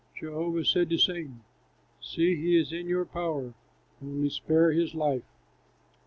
Jehovah said to Satan, "See, he is in your power; only spare his life."